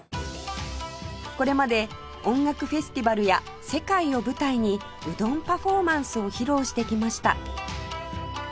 これまで音楽フェスティバルや世界を舞台にうどんパフォーマンスを披露してきました